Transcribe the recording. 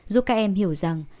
giúp các em hiểu rằng